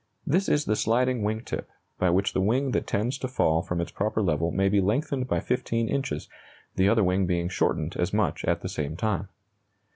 This is the sliding wing tip, by which the wing that tends to fall from its proper level may be lengthened by 15 inches, the other wing being shortened as much at the same time.